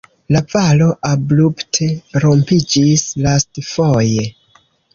La valo abrupte rompiĝis lastfoje.